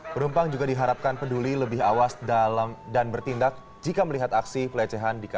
penumpang juga diharapkan peduli lebih awas dalam dan bertindak jika melihat aksi pelecehan